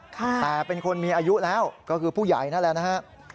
แต่เป็นคนมีอายุแล้วก็คือผู้ใหญ่นั่นแหละนะฮะ